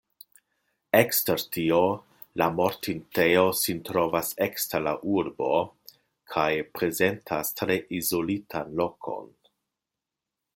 Ekster tio, la mortintejo sin trovas ekster la urbo kaj prezentas tre izolitan lokon.